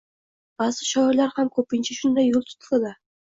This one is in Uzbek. Ba’zi shoirlar ham ko’pincha shunday yo’l tutadilar